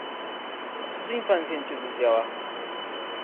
Pasó su infancia en Chozas de Abajo.